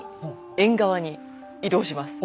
縁側に移動します。